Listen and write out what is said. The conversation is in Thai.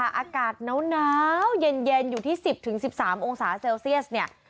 อากาศน้าวเย็นอยู่ที่๑๐๑๓องศาเซลเซียสเนี่ย